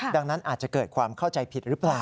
ดังนั้นอาจจะเกิดความเข้าใจผิดหรือเปล่า